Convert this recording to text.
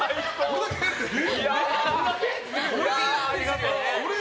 ありがとう。